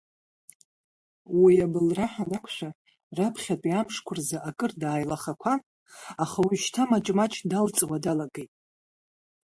Уи абылра ҳанақәшәа, раԥхьатәи амшқәа рзы акыр дааилахақәан, аха уажәшьҭа маҷ-маҷ далҵуа далагеит.